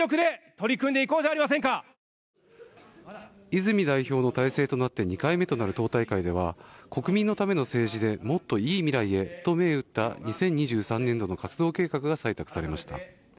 泉代表体制となって２回目となる党大会では、「国民のための政治で、もっといい未来へ！」と銘打った２０２３年度の活動計画が採択されました。